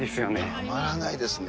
たまらないですね。